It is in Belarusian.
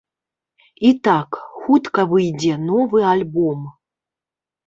І так, хутка выйдзе новы альбом.